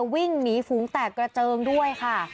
วิ่งหนีฝูงแตกกระเจิงด้วยค่ะ